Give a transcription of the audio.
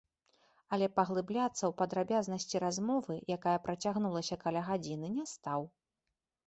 Але паглыбляцца ў падрабязнасці размовы, якая працягнулася каля гадзіны, не стаў.